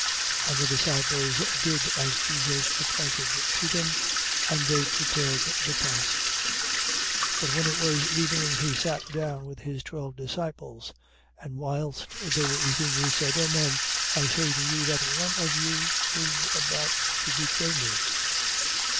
26:19. And the disciples did as Jesus appointed to them: and they prepared the pasch. 26:20. But when it was evening, he sat down with his twelve disciples. 26:21. And whilst they were eating, he said: Amen I say to you that one of you is about to betray me.